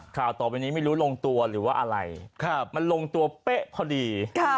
ข่าวต่อไปนี้ไม่รู้ลงตัวหรือว่าอะไรมันลงตัวเป๊ะพอดี